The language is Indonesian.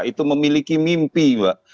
itu memiliki mimpi mbak